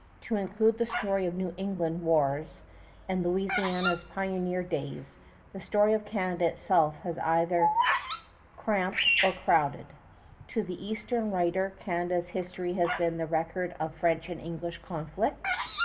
To include the story of New England wars and Louisiana's pioneer days, the story of Canada itself has been either cramped or crowded. To the eastern writer, Canada's history has been the record of French and English conflict.